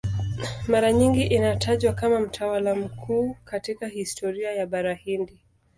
Mara nyingi anatajwa kama mtawala mkuu katika historia ya Bara Hindi.